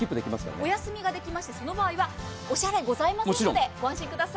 お休みができましてお支払いございませんのでご安心ください。